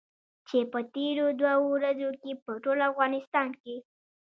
چې په تېرو دوو ورځو کې په ټول افغانستان کې.